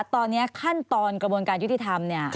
ตอนนี้ขั้นตอนกระบวนการยุติธรรมเนี่ย